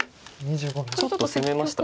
ちょっと攻めました。